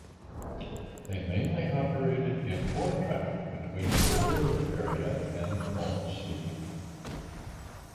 They mainly operated in ore traffic between the Ruhr area and the North Sea.